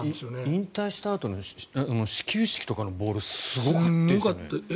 引退したあとの始球式とかのボールすごかったですよね。